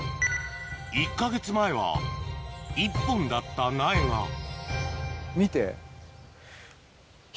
１か月前は１本だった苗が見て。